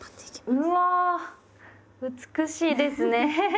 うわ美しいですね。